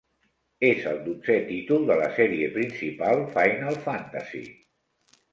És el dotzè títol de la sèrie principal "Final Fantasy".